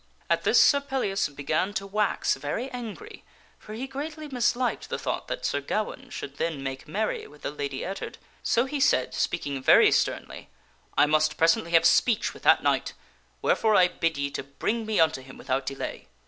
At this Sir Pellias began to wax very angry, for he greatly misliked the thought that Sir Gawaine should then make merry with the Lady Ettard. So he said, speaking very sternly, " I must presently have speech with that knight, wherefore I bid ye to bring me unto him without delay."